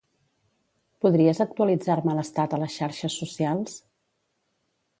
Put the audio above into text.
Podries actualitzar-me l'estat a les xarxes socials?